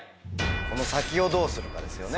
この先をどうするかですよね。